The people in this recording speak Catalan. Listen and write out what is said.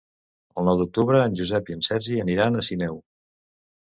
El nou d'octubre en Josep i en Sergi aniran a Sineu.